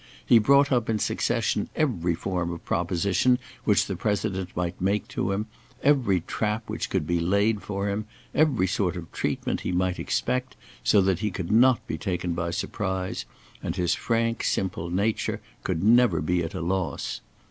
He brought up in succession every form of proposition which the President might make to him; every trap which could be laid for him; every sort of treatment he might expect, so that he could not be taken by surprise, and his frank, simple nature could never be at a loss.